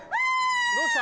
どうした？